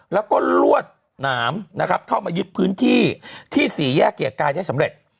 แล้วก็ลวดหนามนะครับเข้ามายึดพื้นที่ที่สี่แยกเกียรติกายได้สำเร็จ